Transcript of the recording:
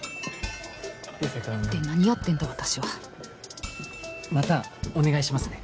流星君。って何やってんだ私またお願いしますね。